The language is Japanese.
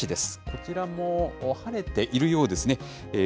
こちらも晴れているようですね。